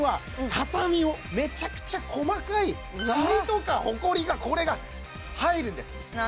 めちゃくちゃ細かいチリとかほこりがこれが入るんですな